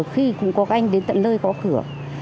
khi cũng có các anh đến tận nơi có cửa